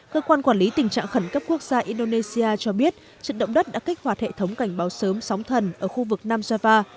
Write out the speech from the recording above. cơ quan quản lý tình trạng khẩn cấp quốc gia indonesia cho biết trận động đất đã kích hoạt hệ thống cảnh báo sớm sóng thần ở khu vực nam java